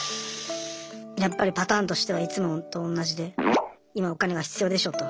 やっぱりパターンとしてはいつもと同じで今お金が必要でしょと。